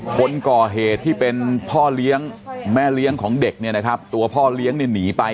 คนก่อเหตุที่เป็นพ่อเลี้ยงแม่เลี้ยงของเด็กเนี่ยนะครับตัวพ่อเลี้ยงเนี่ยหนีไป